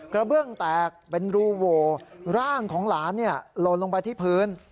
เบื้องแตกเป็นรูโหวร่างของหลานหล่นลงไปที่พื้น